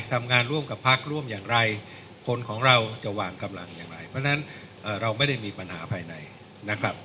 ทำงานร่วมกับพักร่วมอย่างไรคนของเราจะวางกำลังอย่างไรเพราะฉะนั้นเราไม่ได้มีปัญหาภายในนะครับ